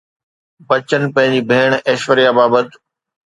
بچن پنهنجي ڀيڻ ايشوريا بابت